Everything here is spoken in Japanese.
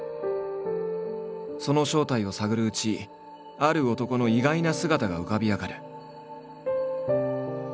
その正体を探るうち「ある男」の意外な姿が浮かび上がる。